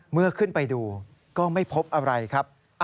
ขึ้นไปดูก็ไม่พบอะไรครับ